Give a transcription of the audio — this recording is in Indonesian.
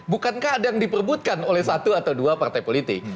bukankah ada yang diperbutkan oleh satu atau dua partai politik